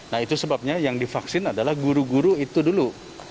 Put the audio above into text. nah itu sebabnya yang divaksin adalah guru guru itu dulu